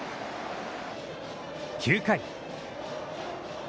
９回。